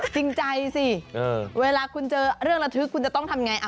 จริงใจสิเวลาคุณเจอเรื่องระทึกคุณจะต้องทำไง